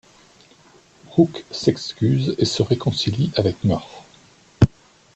Brooks s'excuse et se réconcilie avec Murph.